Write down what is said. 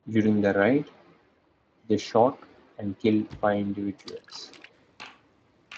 During the raid, they shot and killed five individuals.